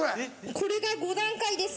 これが５段階です。